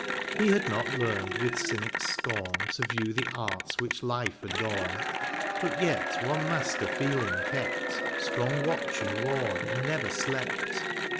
He had not learned with cynic's scorn To view the arts which life adorn ; But yet one master feeling kept Strong watch and ward and never slept.